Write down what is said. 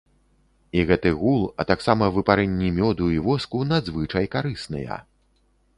І гэты гул, а таксама выпарэнні мёду і воску надзвычай карысныя.